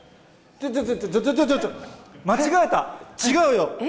ちょっとちょっと、間違えた、違うよ。